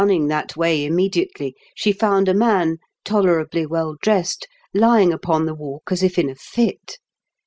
199 Eimniiig that way immediately, she found a man, tolerably well dressed, lying upon the Walk, as if in a fit.